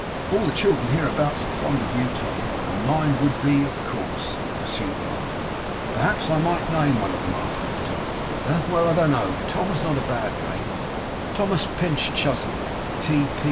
'All the children hereabouts are fond of you, Tom, and mine would be, of course,' pursued Martin. 'Perhaps I might name one of 'em after you. Tom, eh? Well, I don't know. Tom's not a bad name. Thomas Pinch Chuzzlewit. T.